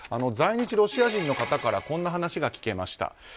在日ロシア人の方からこんな話が聞けました。